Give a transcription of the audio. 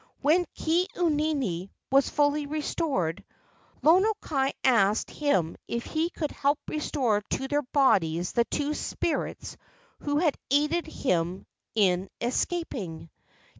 When Ke au nini was fully restored, Lono kai asked him if he could help restore to their bodies the two spirits who had aided himin escaping.